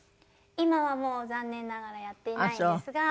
今はもう残念ながらやっていないんですが。